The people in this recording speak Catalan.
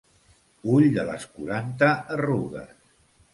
Ull de les quaranta arrugues.